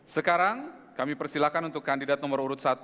sekarang kami persilakan untuk kandidat nomor urut satu